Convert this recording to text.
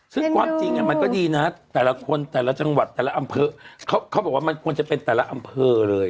ซึ่งความจริงมันก็ดีนะแต่ละคนแต่ละจังหวัดแต่ละอำเภอเขาบอกว่ามันควรจะเป็นแต่ละอำเภอเลย